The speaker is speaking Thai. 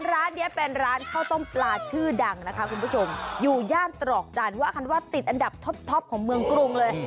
ร้านนี้เป็นร้านข้าวต้มปลาชื่อดังนะคะคุณผู้ชมอยู่ย่านตรอกจันทร์ว่ากันว่าติดอันดับท็อปของเมืองกรุงเลย